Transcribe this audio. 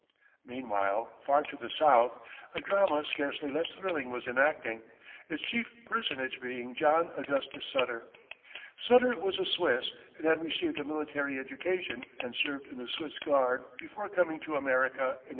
Meanwhile, far to the south, a drama scarcely less thrilling was enacting, its chief personage being John Augustus Sutter. Sutter was a Swiss and had received a military education and served in the Swiss Guard before coming to America in 1834.